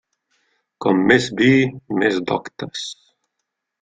Com més vi més doctes.